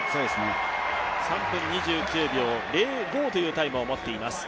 ３分２９秒０２というタイムを持っています。